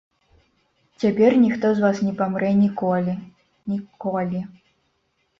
Цяпер ніхто з вас не памрэ ніколі, ніколі.